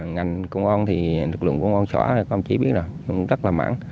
ngành công an thì lực lượng của công an xóa các ông chỉ biết rồi rất là mảng